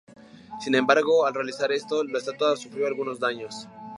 Sin embargo, al realizar esto, la estatua sufrió algunos daños.